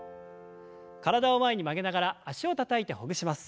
体を前に曲げながら脚をたたいてほぐします。